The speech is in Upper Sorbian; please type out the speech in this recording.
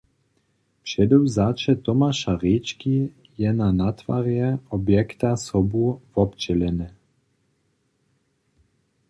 Předewzaće Tomaša Rječki je na natwarje objekta sobu wobdźělene.